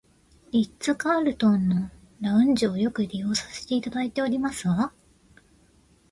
リッツカールトンのラウンジをよく利用させていただいておりますわ